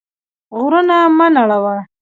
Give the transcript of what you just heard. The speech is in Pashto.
غرونه مه نړوه.